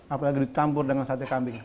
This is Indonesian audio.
apalagi dicampur dengan sate kambing